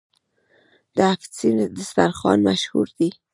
د هفت سین دسترخان مشهور دی.